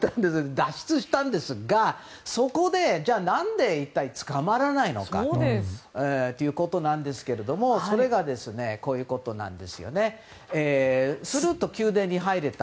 脱出したんですがそこで、何で一体捕まらないのかということなんですがそれが、するっと宮殿に入れた。